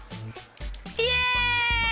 イエイ！